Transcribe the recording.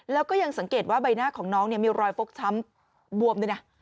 แล้วก็ยังสังเกตว่าใบหน้าของน้องมีรอยฟกช้ำบวมด้วยนะ